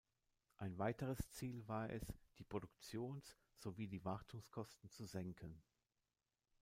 Ein weiteres Ziel war es, die Produktions- sowie die Wartungskosten zu senken.